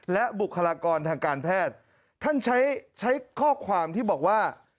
และบุคลากรทางการแพทย์ท่านใช้ใช้ข้อความที่บอกว่า